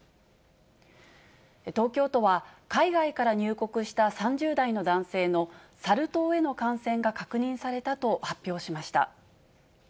東京都は、海外から入国した３０代の男性のサル痘への感染が確認されたと発表しました。